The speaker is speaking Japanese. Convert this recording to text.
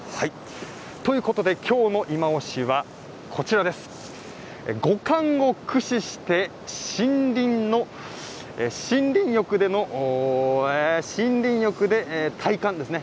森林浴ということで今日のいまオシは五感を駆使して森林浴森林浴で体感ですね。